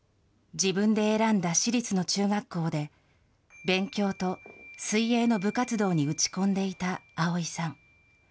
自分で選んだ私立の中学校で、勉強と水泳の部活動に打ち込んでいた碧さん。